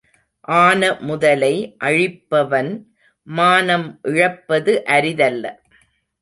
ஆன முதலை அழிப்பவன் மானம் இழப்பது அரிதல்ல.